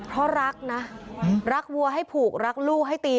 เพราะรักนะรักวัวให้ผูกรักลูกให้ตี